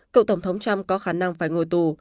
cựu tổng thống trump có khả năng phải ngồi tù